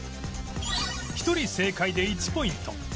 １人正解で１ポイント